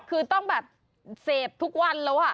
คือต้องแบบเสพทุกวันแล้ว